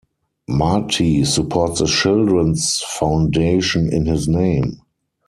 Marte supports a children's foundation in his name.